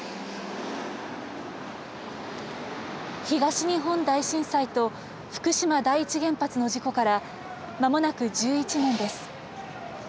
東日本大震災と福島第一原発の事故からまもなく１１年です。